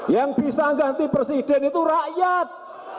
yang bisa ganti presiden itu rakyat